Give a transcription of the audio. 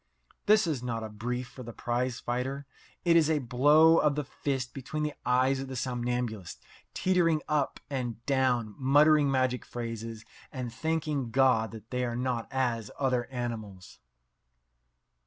This is not a brief for the prize fighter. It is a blow of the fist between the eyes of the somnambulists, teetering up and down, muttering magic phrases, and thanking God that they are not as other animals.